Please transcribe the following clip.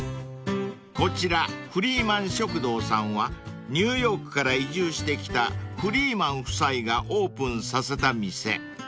［こちらフリーマン食堂さんはニューヨークから移住してきたフリーマン夫妻がオープンさせた店］